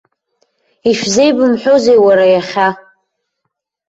Ишәзеибымҳәозеи, уара, иахьа?